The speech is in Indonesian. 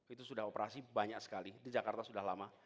itu sudah operasi banyak sekali di jakarta sudah lama